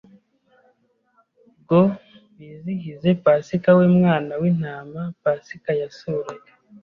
go bizihize Pasika we Mwana w'intama Pasika yasuraga,